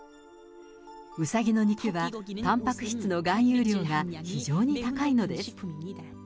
うさぎの肉はたんぱく質の含有量が非常に高いのです。